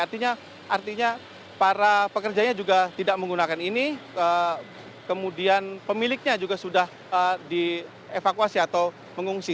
artinya para pekerjanya juga tidak menggunakan ini kemudian pemiliknya juga sudah dievakuasi atau mengungsi